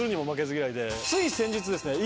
つい先日ですね